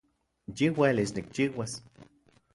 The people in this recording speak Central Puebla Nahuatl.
Yiuelis nikchiuas